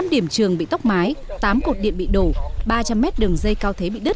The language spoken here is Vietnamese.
một mươi năm điểm trường bị tốc mái tám cột điện bị đổ ba trăm linh mét đường dây cao thế bị đứt